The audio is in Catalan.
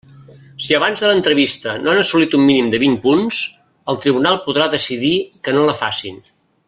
Si abans de l'entrevista no han assolit un mínim de vint punts, el tribunal podrà decidir que no la facin.